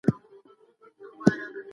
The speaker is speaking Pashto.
ماسوم ته پاملرنه د هغه راتلونکی جوړوي.